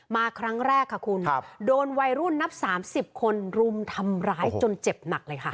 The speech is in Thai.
มาครั้งแรกค่ะคุณโดนวัยรุ่นนับ๓๐คนรุมทำร้ายจนเจ็บหนักเลยค่ะ